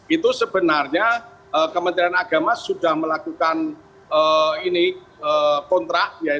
itu sebenarnya kementerian agama sudah melakukan kontrak